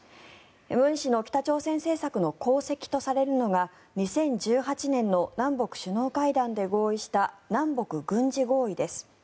文氏の北朝鮮政策の功績とされるのが２０１８年の南北首脳会談で合意した南北軍事合意です。